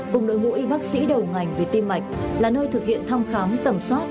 cùng đội ngũ y bác sĩ đầu ngành về tim mạch là nơi thực hiện thăm khám tầm soát